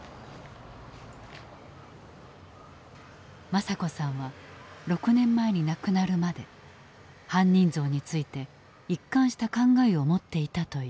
正子さんは６年前に亡くなるまで犯人像について一貫した考えを持っていたという。